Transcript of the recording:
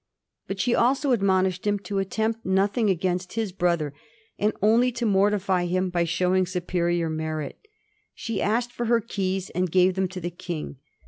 But she also admon ished him to attempt nothing against his brother, and only to mortify him by showing superior merit. She asked for her keys, and gave them to the King.